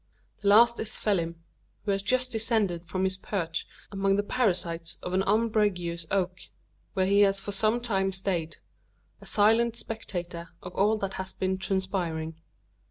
The last is Phelim, who has just descended from his perch among the parasites of an umbrageous oak where he has for some time stayed a silent spectator of all that has been transpiring.